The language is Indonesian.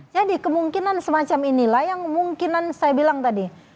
jadi kemungkinan semacam inilah yang kemungkinan saya bilang tadi